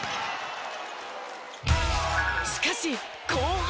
しかし後半。